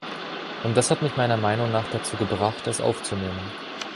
Und das hat mich meiner Meinung nach dazu gebracht, es aufzunehmen.